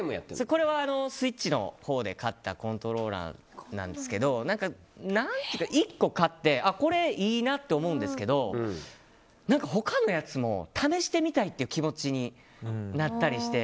これはスイッチのほうで買ったコントローラーなんですけど１個買ってこれいいなと思うんですけど他のやつも試してみたいって気持ちになったりして。